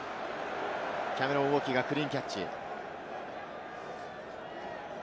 キャメロン・ウォキがクリーンキャッチ。